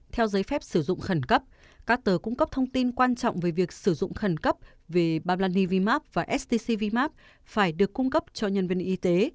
theo giấy phép sử dụng khẩn cấp các tờ cung cấp thông tin quan trọng về việc sử dụng khẩn cấp về bamlanivimap và stcvmap phải được cung cấp cho nhân viên y tế